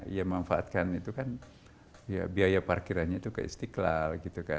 yang memanfaatkan itu kan biaya parkirannya ke istiqlal